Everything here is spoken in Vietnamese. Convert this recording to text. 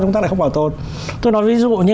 chúng ta lại không bảo tồn tôi nói ví dụ như